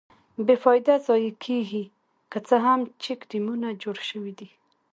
بې فایدې ضایع کېږي، که څه هم چیک ډیمونه جوړ شویدي.